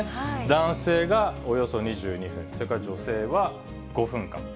男性がおよそ２２分、それから、女性は５分間。